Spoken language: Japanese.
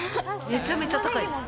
めちゃめちゃ高いです。